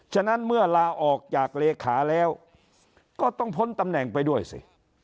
ฉะนั้นเมื่อลาออกจากเลขาแล้วก็ต้องพ้นตำแหน่งไปด้วยสิ